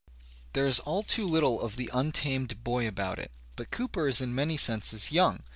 There is all too little of the untamed boy about it. But Cooper is in many senses "young."